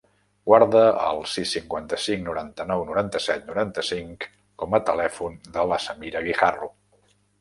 Guarda el sis, cinquanta-cinc, noranta-nou, noranta-set, noranta-cinc com a telèfon de la Samira Guijarro.